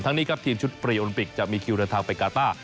ทั้งนี้ครับทีมชุดปรีอลปิกจะมีคิวทางไปกาต้า